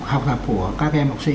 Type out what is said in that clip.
học tập của các em học sinh